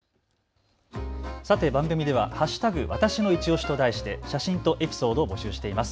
さて、番組では＃わたしのいちオシと題して写真とエピソードを募集しています。